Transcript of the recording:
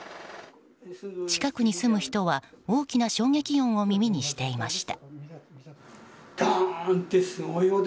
近くに住む人は大きな衝撃音を耳にしていました。